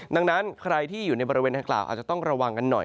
ดังนั้นใครที่อยู่ในบริเวณทางกล่าวอาจจะต้องระวังกันหน่อย